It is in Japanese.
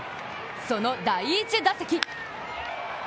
その第１打席。